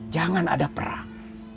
jangan ada perang